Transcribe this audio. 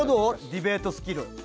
ディベートスキル。